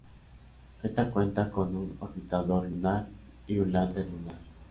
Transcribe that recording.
Esta cuenta con un orbitador lunar y un lander lunar.